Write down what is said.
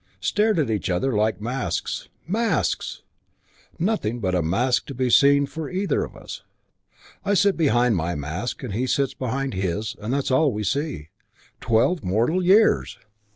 Stared at each other like masks. Masks! Nothing but a mask to be seen for either of us. I sit behind my mask and he sits behind his and that's all we see. Twelve mortal years!